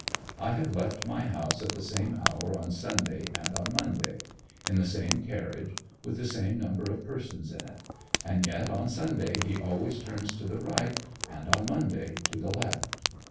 I have left my house at the same hour on Sunday and on Monday, in the same carriage, with the same number of persons in it; and yet on Sunday he always turns to the right, and on Monday to the left.